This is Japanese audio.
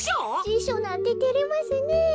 じしょなんててれますねえ。